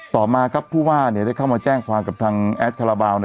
ต่อมาครับผู้ว่าได้เข้ามาแจ้งความกับทางแอดคาราบาล